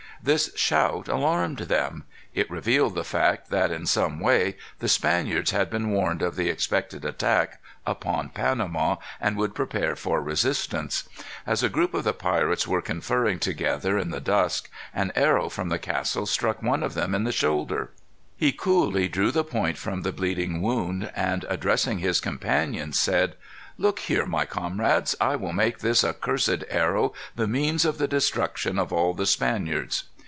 This shout alarmed them. It revealed the fact that, in some way, the Spaniards had been warned of the expected attack upon Panama, and would prepare for resistance. As a group of the pirates were conferring together, in the dusk, an arrow from the castle struck one of them in the shoulder. He coolly drew the point from the bleeding wound, and addressing his companions, said: "Look here, my comrades, I will make this accursed arrow the means of the destruction of all the Spaniards."